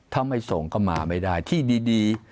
ถ้าไม่ส่งก็มาไม่ได้ที่ดี